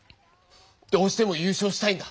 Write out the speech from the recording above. どうしても優勝したいんだ！